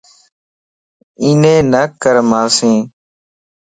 اينيَ نڪر مانسين